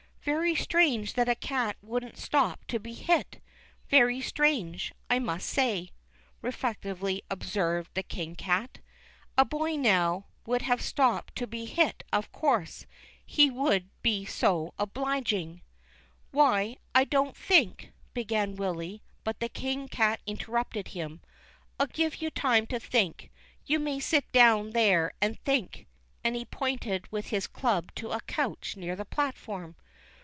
"Very strange that a cat wouldn't stop to be hit — very strange, I must say," reflectively observed the King Cat. " A boy, now, would have stopped to be hit, of course; he would be just so obliging." THE KING CAT. 363 Why, I didn't think," began Willy ; but the King Cat interrupted him : I'll give you time to think ; you may sit down there and think," and he pointed with his club to a couch near the platform.